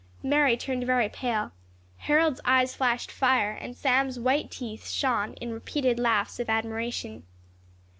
Mary turned very pale, Harold's eyes flashed fire, and Sam's white teeth shone in repeated laughs of admiration.